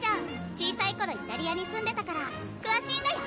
小さい頃イタリアに住んでたから詳しいんだよ。